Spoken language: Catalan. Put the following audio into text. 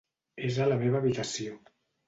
És a la meva habitació.